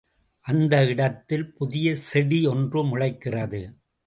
அந்த இடத்தில் புதிய செடி ஒன்று முளைக்கிறது.